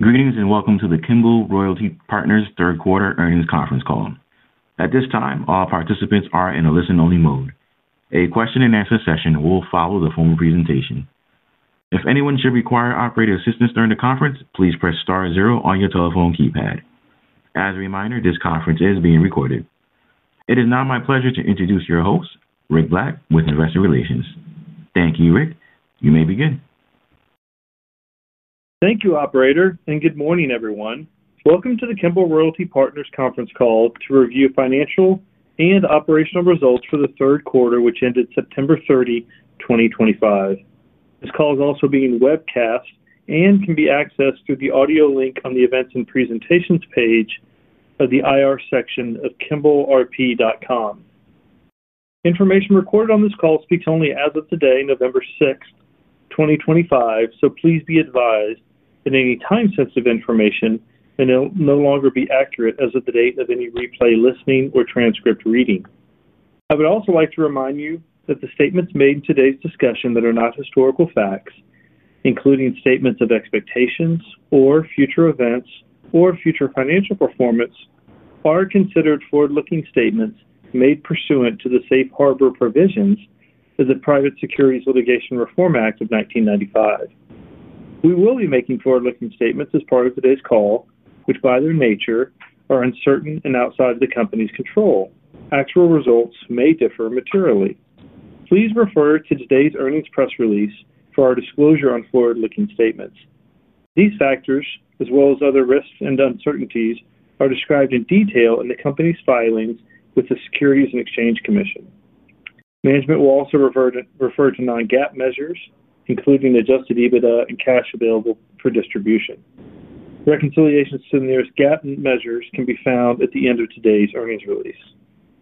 Greetings and welcome to the Kimbell Royalty Partners third-quarter earnings conference call. At this time, all participants are in a listen-only mode. A question-and-answer session will follow the formal presentation. If anyone should require operator assistance during the conference, please press star zero on your telephone keypad. As a reminder, this conference is being recorded. It is now my pleasure to introduce your host, Rick Black, with Investor Relations. Thank you, Rick. You may begin. Thank you, Operator, and good morning, everyone. Welcome to the Kimbell Royalty Partners conference call to review financial and operational results for the third quarter, which ended September 30, 2025. This call is also being webcast and can be accessed through the audio link on the events and presentations page of the IR section of kimbellrp.com. Information recorded on this call speaks only as of today, November 6, 2025, so please be advised that any time-sensitive information will no longer be accurate as of the date of any replay listening or transcript reading. I would also like to remind you that the statements made in today's discussion that are not historical facts, including statements of expectations or future events or future financial performance, are considered forward-looking statements made pursuant to the Safe Harbor Provisions of the Private Securities Litigation Reform Act of 1995. We will be making forward-looking statements as part of today's call, which, by their nature, are uncertain and outside of the company's control. Actual results may differ materially. Please refer to today's earnings press release for our disclosure on forward-looking statements. These factors, as well as other risks and uncertainties, are described in detail in the company's filings with the Securities and Exchange Commission. Management will also refer to non-GAAP measures, including Adjusted EBITDA and cash available for distribution. Reconciliations to the nearest GAAP measures can be found at the end of today's earnings release.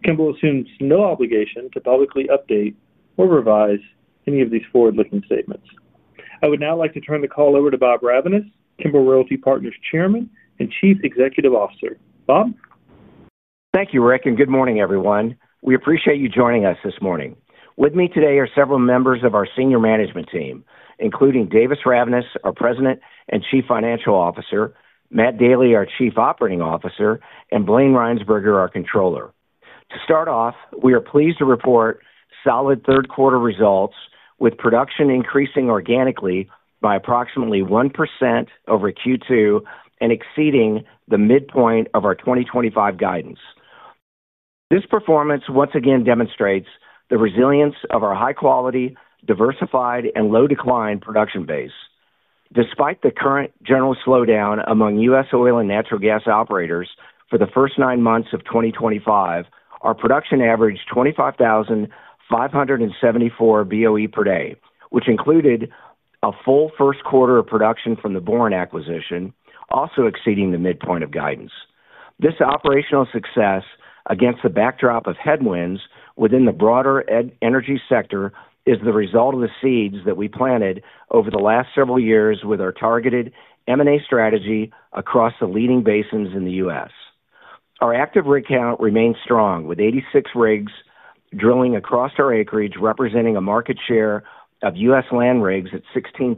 Kimbell assumes no obligation to publicly update or revise any of these forward-looking statements. I would now like to turn the call over to Bob Ravnaas, Kimbell Royalty Partners Chairman and Chief Executive Officer. Bob? Thank you, Rick, and good morning, everyone. We appreciate you joining us this morning. With me today are several members of our senior management team, including Davis Ravnaas, our President and Chief Financial Officer; Matt Daly, our Chief Operating Officer; and Blayne Rhynsburger, our Controller. To start off, we are pleased to report solid third-quarter results, with production increasing organically by approximately 1% over Q2 and exceeding the midpoint of our 2025 guidance. This performance once again demonstrates the resilience of our high-quality, diversified, and low-decline production base. Despite the current general slowdown among U.S. oil and natural gas operators for the first nine months of 2025, our production averaged 25,574 BOE per day, which included a full first quarter of production from the Boren acquisition, also exceeding the midpoint of guidance. This operational success, against the backdrop of headwinds within the broader energy sector, is the result of the seeds that we planted over the last several years with our targeted M&A strategy across the leading basins in the U.S. Our active rig count remains strong, with 86 rigs drilling across our acreage, representing a market share of U.S. land rigs at 16%.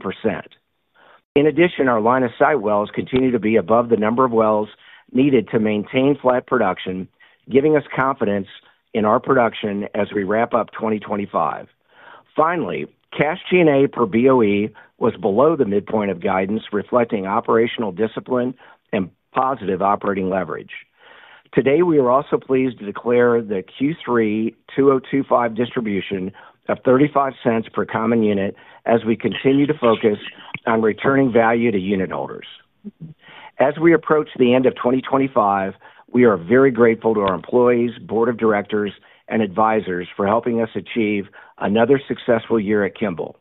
In addition, our line of sight wells continue to be above the number of wells needed to maintain flat production, giving us confidence in our production as we wrap up 2025. Finally, cash G&A per BOE was below the midpoint of guidance, reflecting operational discipline and positive operating leverage. Today, we are also pleased to declare the Q3 2025 distribution of $0.35 per common unit, as we continue to focus on returning value to unitholders. As we approach the end of 2025, we are very grateful to our employees, board of directors, and advisors for helping us achieve another successful year at Kimbell.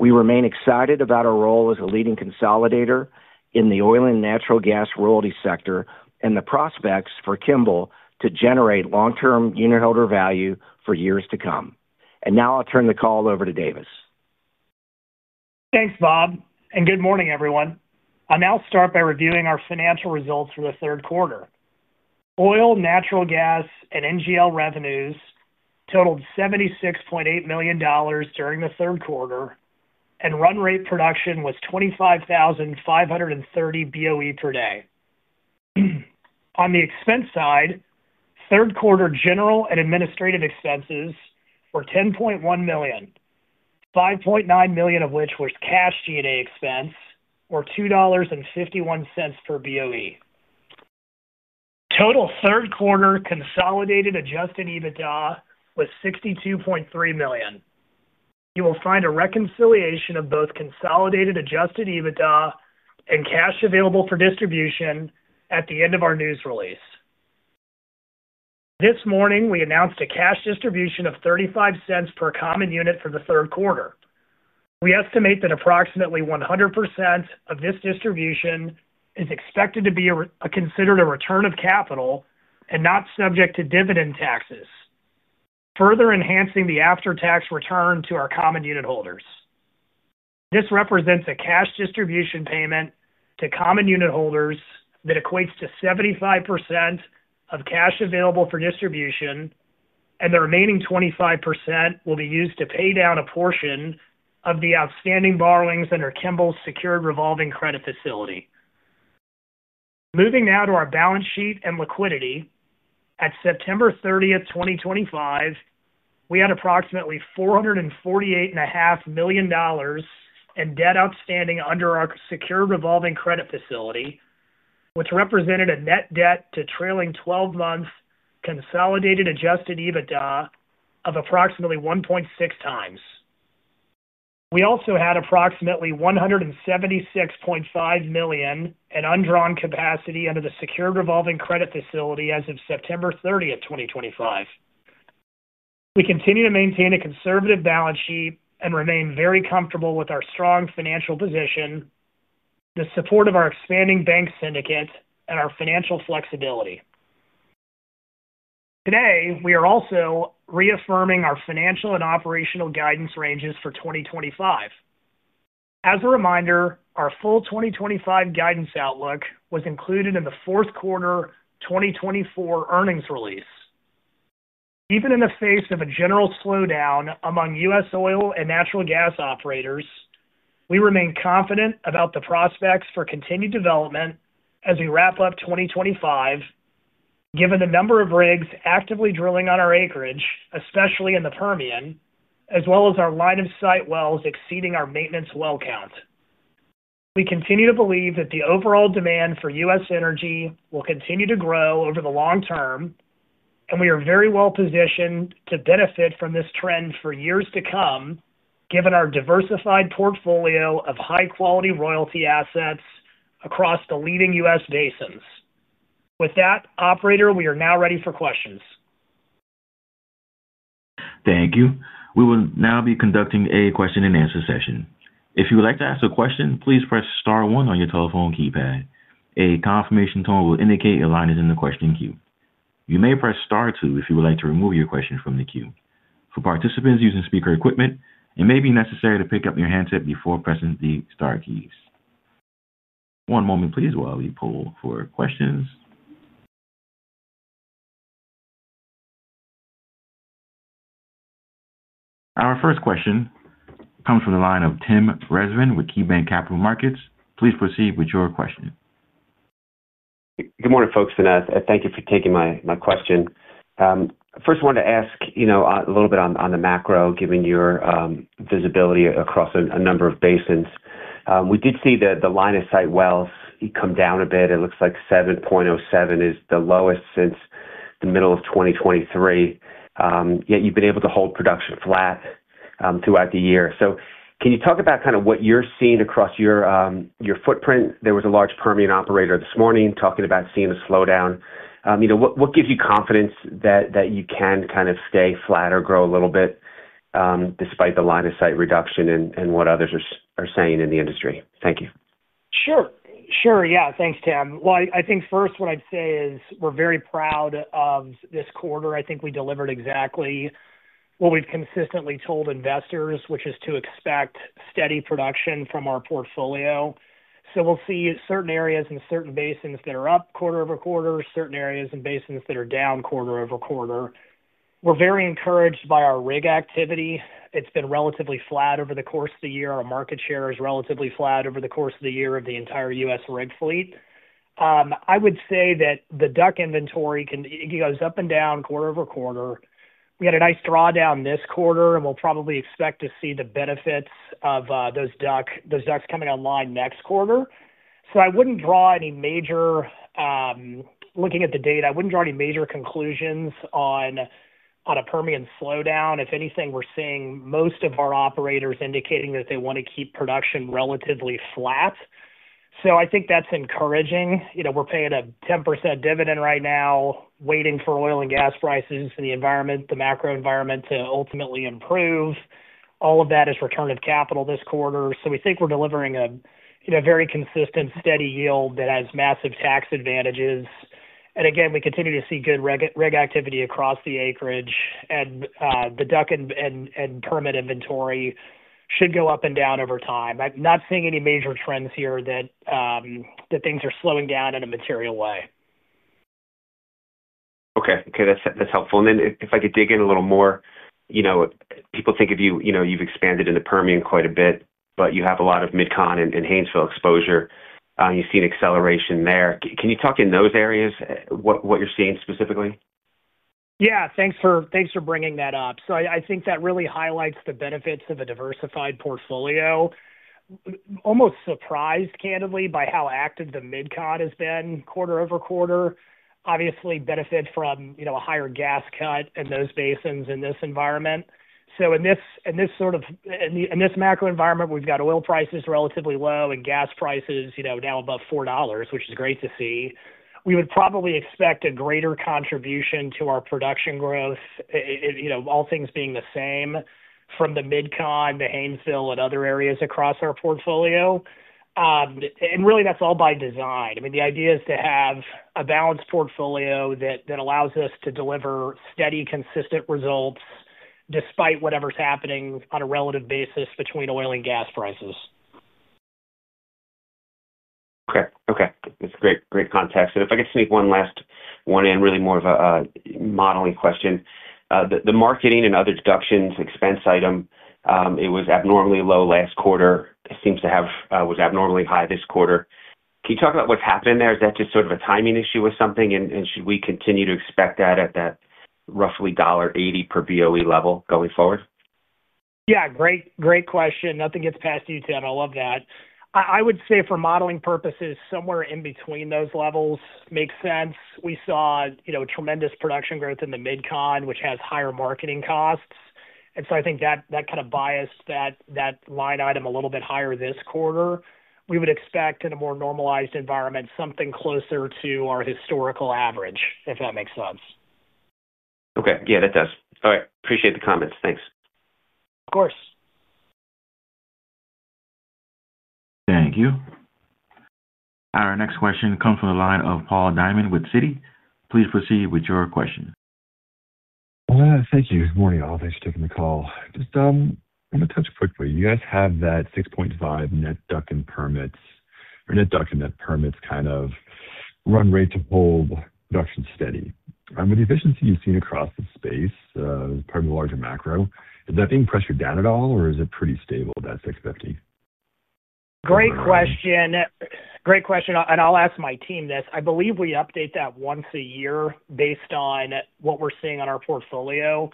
We remain excited about our role as a leading consolidator in the oil and natural gas royalty sector and the prospects for Kimbell to generate long-term unit holder value for years to come. I will turn the call over to Davis. Thanks, Bob, and good morning, everyone. I'll now start by reviewing our financial results for the third quarter. Oil, natural gas, and NGL revenues totaled $76.8 million during the third quarter, and run-rate production was 25,530 BOE per day. On the expense side, third-quarter general and administrative expenses were $10.1 million, $5.9 million of which was cash G&A expense, or $2.51 per BOE. Total third-quarter consolidated Adjusted EBITDA was $62.3 million. You will find a reconciliation of both consolidated Adjusted EBITDA and cash available for distribution at the end of our news release. This morning, we announced a cash distribution of $0.35 per common unit for the third quarter. We estimate that approximately 100% of this distribution is expected to be considered a return of capital and not subject to dividend taxes. Further enhancing the after-tax return to our common unit holders. This represents a cash distribution payment to common unit holders that equates to 75% of cash available for distribution, and the remaining 25% will be used to pay down a portion of the outstanding borrowings under Kimbell's secured revolving credit facility. Moving now to our balance sheet and liquidity. At September 30, 2025, we had approximately $448.5 million in debt outstanding under our secured revolving credit facility, which represented a net debt to trailing 12 months consolidated Adjusted EBITDA of approximately 1.6x. We also had approximately $176.5 million in undrawn capacity under the secured revolving credit facility as of September 30, 2025. We continue to maintain a conservative balance sheet and remain very comfortable with our strong financial position, the support of our expanding bank syndicate, and our financial flexibility. Today, we are also reaffirming our financial and operational guidance ranges for 2025. As a reminder, our full 2025 guidance outlook was included in the fourth quarter 2024 earnings release. Even in the face of a general slowdown among U.S. oil and natural gas operators, we remain confident about the prospects for continued development as we wrap up 2025. Given the number of rigs actively drilling on our acreage, especially in the Permian, as well as our line of sight wells exceeding our maintenance well count, we continue to believe that the overall demand for U.S. energy will continue to grow over the long term, and we are very well positioned to benefit from this trend for years to come, given our diversified portfolio of high-quality royalty assets across the leading U.S. basins. With that, Operator, we are now ready for questions. Thank you. We will now be conducting a question-and-answer session. If you would like to ask a question, please press star one on your telephone keypad. A confirmation tone will indicate your line is in the question queue. You may press star two if you would like to remove your question from the queue. For participants using speaker equipment, it may be necessary to pick up your handset before pressing the star keys. One moment, please, while we pull for questions. Our first question comes from the line of Tim Rezvan with KeyBanc Capital Markets. Please proceed with your question. Good morning, folks. Thank you for taking my question. First, I wanted to ask a little bit on the macro, given your visibility across a number of basins. We did see the line of sight wells come down a bit. It looks like 7.07 is the lowest since the middle of 2023. Yet you've been able to hold production flat throughout the year. Can you talk about kind of what you're seeing across your footprint? There was a large Permian operator this morning talking about seeing a slowdown. What gives you confidence that you can kind of stay flat or grow a little bit, despite the line of sight reduction and what others are saying in the industry? Thank you. Sure. Yeah. Thanks, Tim. I think first what I'd say is we're very proud of this quarter. I think we delivered exactly what we've consistently told investors, which is to expect steady production from our portfolio. We'll see certain areas and certain basins that are up quarter-over-quarter, certain areas and basins that are down quarter-over-quarter. We're very encouraged by our rig activity. It's been relatively flat over the course of the year. Our market share is relatively flat over the course of the year of the entire U.S. rig fleet. I would say that the duck inventory goes up and down quarter-over-quarter. We had a nice drawdown this quarter, and we'll probably expect to see the benefits of those ducks coming online next quarter. I wouldn't draw any major—looking at the data, I wouldn't draw any major conclusions on. A Permian slowdown. If anything, we're seeing most of our operators indicating that they want to keep production relatively flat. I think that's encouraging. We're paying a 10% dividend right now, waiting for oil and gas prices and the environment, the macro environment, to ultimately improve. All of that is return of capital this quarter. We think we're delivering a very consistent, steady yield that has massive tax advantages. Again, we continue to see good rig activity across the acreage, and the duck and permit inventory should go up and down over time. I'm not seeing any major trends here that things are slowing down in a material way. Okay. Okay. That's helpful. If I could dig in a little more. People think of you've expanded into Permian quite a bit, but you have a lot of Mid-Continent and Haynesville exposure. You've seen acceleration there. Can you talk in those areas what you're seeing specifically? Yeah. Thanks for bringing that up. I think that really highlights the benefits of a diversified portfolio. Almost surprised, candidly, by how active the Mid-Continent has been quarter-over-quarter. Obviously, benefit from a higher gas cut in those basins in this environment. In this macro environment, we've got oil prices relatively low and gas prices now above $4, which is great to see. We would probably expect a greater contribution to our production growth, all things being the same, from the Mid-Continent, the Haynesville, and other areas across our portfolio. Really, that's all by design. I mean, the idea is to have a balanced portfolio that allows us to deliver steady, consistent results despite whatever's happening on a relative basis between oil and gas prices. Okay. Okay. That's great. Great context. If I could sneak one last one in, really more of a modeling question. The marketing and other deductions expense item, it was abnormally low last quarter. It seems to have was abnormally high this quarter. Can you talk about what's happening there? Is that just sort of a timing issue with something, and should we continue to expect that at that roughly $1.80 per BOE level going forward? Yeah. Great question. Nothing gets past you, Tim. I love that. I would say for modeling purposes, somewhere in between those levels makes sense. We saw tremendous production growth in the Mid-Continent, which has higher marketing costs. I think that kind of biased that line item a little bit higher this quarter. We would expect in a more normalized environment, something closer to our historical average, if that makes sense. Okay. Yeah, that does. All right. Appreciate the comments. Thanks. Of course. Thank you. All right. Next question comes from the line of Paul Diamond with Citi. Please proceed with your question. Thank you. Good morning, all. Thanks for taking the call. Just want to touch quickly. You guys have that 6.5 net DUC and permits, or net DUC and net permits kind of run-rate to hold production steady. With the efficiency you've seen across the space, part of the larger macro, is that being pressured down at all, or is it pretty stable, that 6.5? Great question. I'll ask my team this. I believe we update that once a year based on what we're seeing on our portfolio.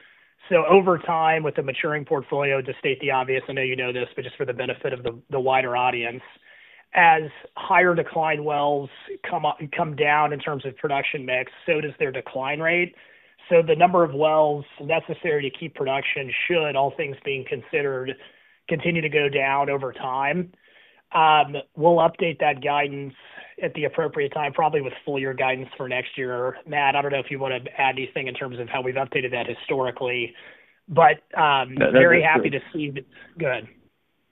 Over time, with a maturing portfolio, to state the obvious, I know you know this, but just for the benefit of the wider audience, as higher decline wells come down in terms of production mix, so does their decline rate. The number of wells necessary to keep production, should all things being considered, continue to go down over time. We'll update that guidance at the appropriate time, probably with full year guidance for next year. Matt, I don't know if you want to add anything in terms of how we've updated that historically, but very happy to see go ahead.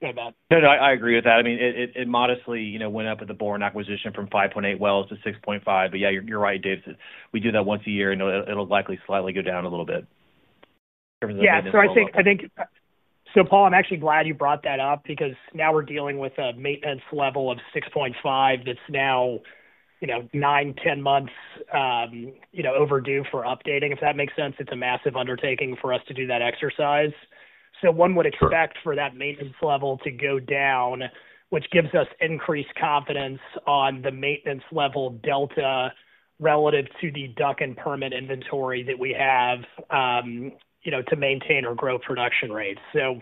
No, no. I agree with that. I mean, it modestly went up at the Boren acquisition from 5.8 wells to 6.5. Yeah, you're right, Davis. We do that once a year, and it'll likely slightly go down a little bit. Yeah. So I think. So Paul, I'm actually glad you brought that up because now we're dealing with a maintenance level of 6.5 that's now 9-10 months overdue for updating, if that makes sense. It's a massive undertaking for us to do that exercise. So one would expect for that maintenance level to go down, which gives us increased confidence on the maintenance level delta relative to the duck and permit inventory that we have to maintain or grow production rates. So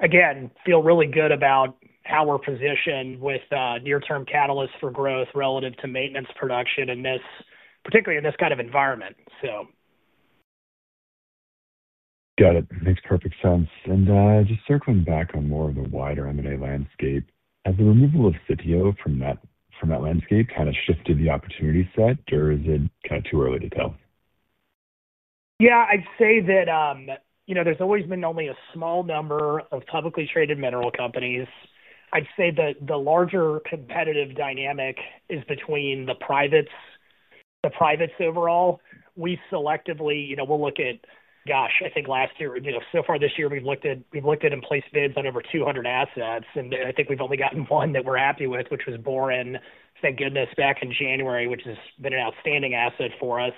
again, feel really good about how we're positioned with near-term catalysts for growth relative to maintenance production, particularly in this kind of environment. Got it. Makes perfect sense. Just circling back on more of the wider M&A landscape, has the removal of Citibank from that landscape kind of shifted the opportunity set, or is it kind of too early to tell? Yeah. I'd say that. There's always been only a small number of publicly traded mineral companies. I'd say that the larger competitive dynamic is between the privates. Overall, we selectively will look at, gosh, I think last year, so far this year, we've looked at in place bids on over 200 assets, and I think we've only gotten one that we're happy with, which was Boren, thank goodness, back in January, which has been an outstanding asset for us.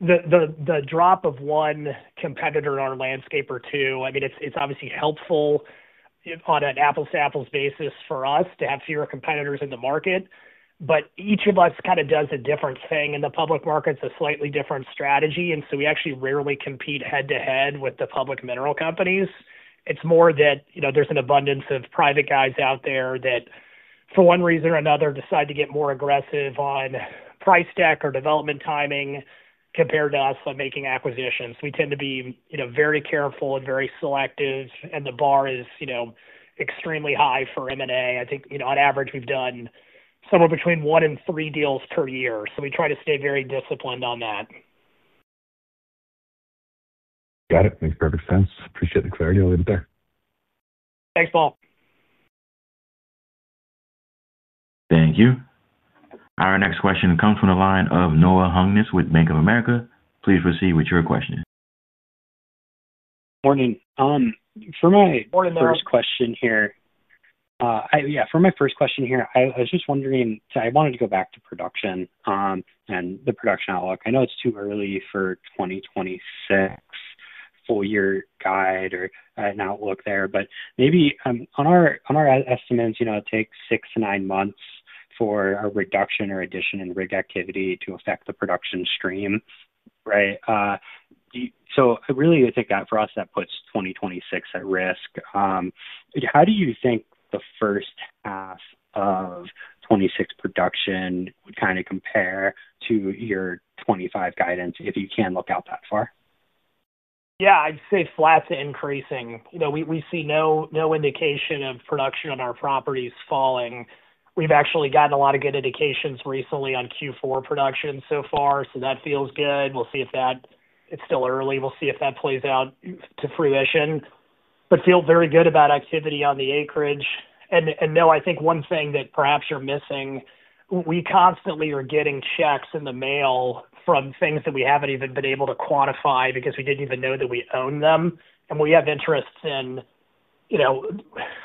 The drop of one competitor in our landscape or two, I mean, it's obviously helpful on an apples-to-apples basis for us to have fewer competitors in the market. Each of us kind of does a different thing in the public markets, a slightly different strategy. We actually rarely compete head-to-head with the public mineral companies. It's more that there's an abundance of private guys out there that, for one reason or another, decide to get more aggressive on price deck or development timing compared to us on making acquisitions. We tend to be very careful and very selective, and the bar is extremely high for M&A. I think on average, we've done somewhere between one and three deals per year. We try to stay very disciplined on that. Got it. Makes perfect sense. Appreciate the clarity a little bit there. Thanks, Paul. Thank you. All right. Next question comes from the line of Noah Hungness with Bank of America. Please proceed with your question. Morning. For my first question here, I was just wondering, so I wanted to go back to production and the production outlook. I know it's too early for 2026 full year guide or an outlook there, but maybe on our estimates, it takes six to nine months for a reduction or addition in rig activity to affect the production stream, right? Really, I think for us, that puts 2026 at risk. How do you think the first half of 2026 production would kind of compare to your 2025 guidance if you can look out that far? Yeah. I'd say flat to increasing. We see no indication of production on our properties falling. We've actually gotten a lot of good indications recently on Q4 production so far. That feels good. We'll see if that, it's still early. We'll see if that plays out to fruition. Feel very good about activity on the acreage. I think one thing that perhaps you're missing, we constantly are getting checks in the mail from things that we haven't even been able to quantify because we didn't even know that we owned them. We have interests in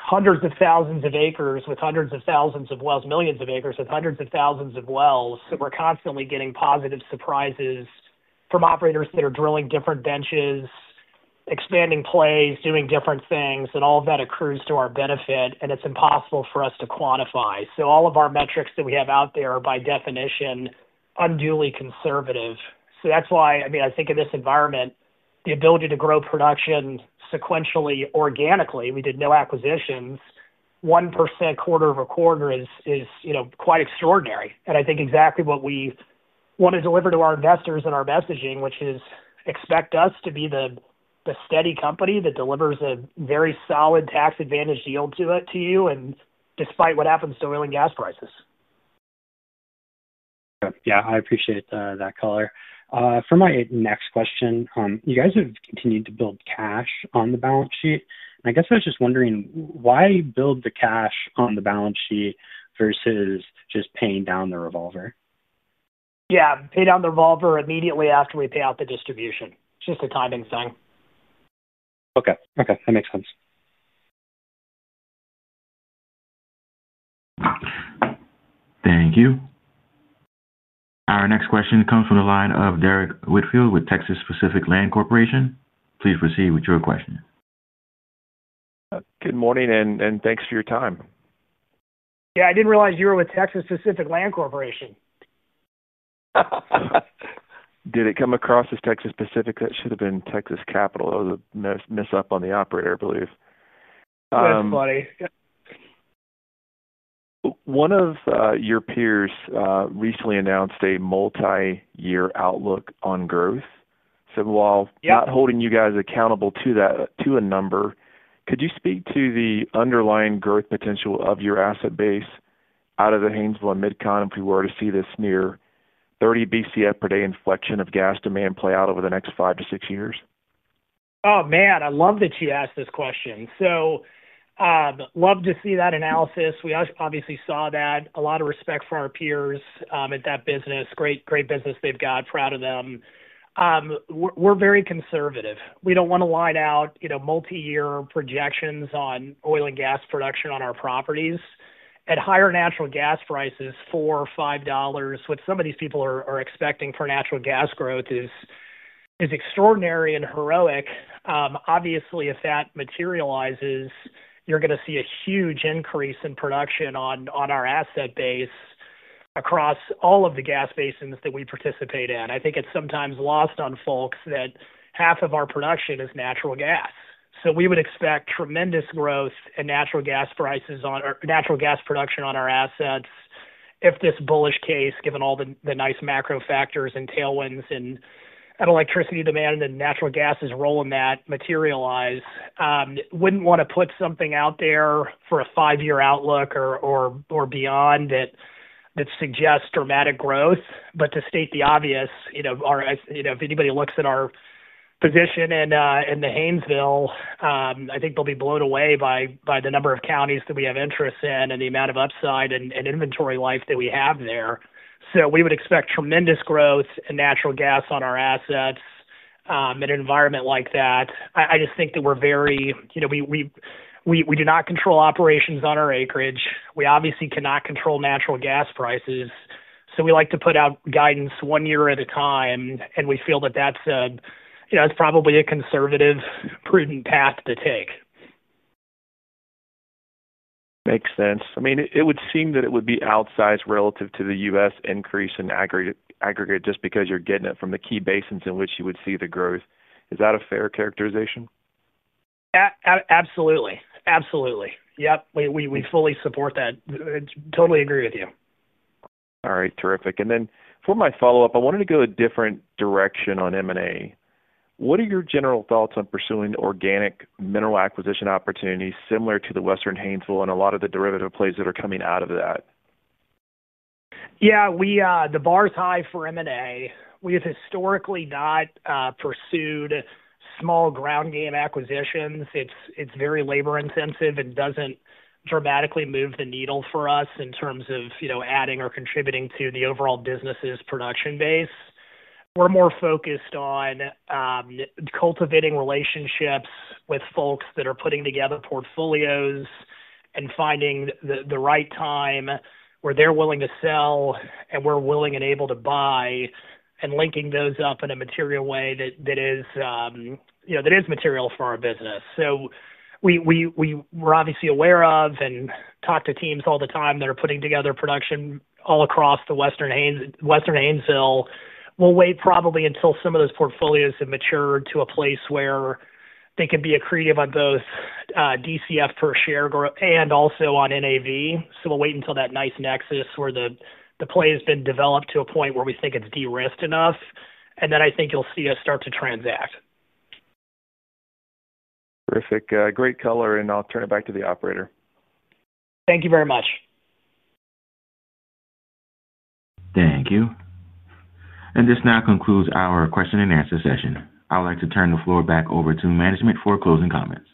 hundreds of thousands of acres with hundreds of thousands of wells, millions of acres with hundreds of thousands of wells. We're constantly getting positive surprises from operators that are drilling different benches. Expanding plays, doing different things, and all of that accrues to our benefit, and it's impossible for us to quantify. All of our metrics that we have out there are by definition unduly conservative. That is why, I mean, I think in this environment, the ability to grow production sequentially, organically, we did no acquisitions. 1% quarter-over-quarter is quite extraordinary. I think exactly what we want to deliver to our investors in our messaging, which is expect us to be the steady company that delivers a very solid tax-advantaged yield to you despite what happens to oil and gas prices. Yeah. Yeah. I appreciate that color. For my next question, you guys have continued to build cash on the balance sheet. I guess I was just wondering why build the cash on the balance sheet versus just paying down the revolver? Yeah. Pay down the revolver immediately after we pay out the distribution. It's just a timing thing. Okay. Okay. That makes sense. Thank you. All right. Next question comes from the line of Derrick Whitfield with Texas Pacific Land Corporation. Please proceed with your question. Good morning, and thanks for your time. Yeah. I didn't realize you were with Texas Pacific Land Corporation. Did it come across as Texas Pacific? That should have been Texas Capital. That was a mess up on the operator, I believe. That's funny. One of your peers recently announced a multi-year outlook on growth. While not holding you guys accountable to a number, could you speak to the underlying growth potential of your asset base out of the Haynesville and Mid-Continent if we were to see this near 30 BCF per day inflection of gas demand play out over the next five to six years? Oh, man. I love that you asked this question. Love to see that analysis. We obviously saw that. A lot of respect for our peers at that business. Great business they've got. Proud of them. We're very conservative. We don't want to line out multi-year projections on oil and gas production on our properties. At higher natural gas prices, $4, $5, what some of these people are expecting for natural gas growth is extraordinary and heroic. Obviously, if that materializes, you're going to see a huge increase in production on our asset base across all of the gas basins that we participate in. I think it's sometimes lost on folks that half of our production is natural gas. We would expect tremendous growth in natural gas prices or natural gas production on our assets if this bullish case, given all the nice macro factors and tailwinds and electricity demand and natural gas's role in that, materialize. Would not want to put something out there for a five-year outlook or beyond that suggests dramatic growth. To state the obvious, if anybody looks at our position in the Haynesville, I think they will be blown away by the number of counties that we have interest in and the amount of upside and inventory life that we have there. We would expect tremendous growth in natural gas on our assets in an environment like that. I just think that we are very, we do not control operations on our acreage. We obviously cannot control natural gas prices. We like to put out guidance one year at a time, and we feel that that's probably a conservative, prudent path to take. Makes sense. I mean, it would seem that it would be outsized relative to the U.S. increase in aggregate just because you're getting it from the key basins in which you would see the growth. Is that a fair characterization? Absolutely. Absolutely. Yep. We fully support that. Totally agree with you. All right. Terrific. For my follow-up, I wanted to go a different direction on M&A. What are your general thoughts on pursuing organic mineral acquisition opportunities similar to the Western Haynesville and a lot of the derivative plays that are coming out of that? Yeah. The bar's high for M&A. We've historically not pursued small ground game acquisitions. It's very labor-intensive and doesn't dramatically move the needle for us in terms of adding or contributing to the overall business's production base. We're more focused on cultivating relationships with folks that are putting together portfolios and finding the right time where they're willing to sell and we're willing and able to buy and linking those up in a material way that is material for our business. We're obviously aware of and talk to teams all the time that are putting together production all across the Western Haynesville. We'll wait probably until some of those portfolios have matured to a place where they can be accretive on both DCF per share and also on NAV. We'll wait until that nice nexus where the play has been developed to a point where we think it's de-risked enough. And then I think you'll see us start to transact. Terrific. Great color. I'll turn it back to the operator. Thank you very much. Thank you. This now concludes our question-and-answer session. I'd like to turn the floor back over to management for closing comments.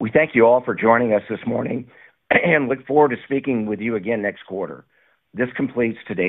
We thank you all for joining us this morning and look forward to speaking with you again next quarter. This completes today.